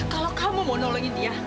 kalau kamu mau nolongin dia